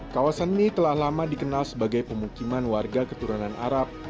kawasan ini telah lama dikenal sebagai pemukiman warga keturunan arab